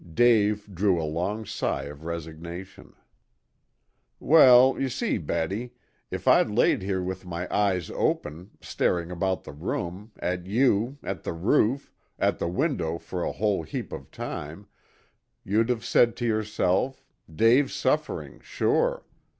Dave drew a long sigh of resignation. "Well, y'see, Betty, if I'd laid here with my eyes open, staring about the room, at you, at the roof, at the window for a whole heap of time, you'd have said to yourself, 'Dave's suffering sure.